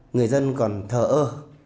người dân còn thờ ơ